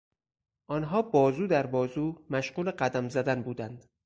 آنها بازو در بازو مشغول قدم زدن بودند.